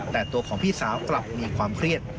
แต่ตัวของพี่สาวกลับมีความเครียด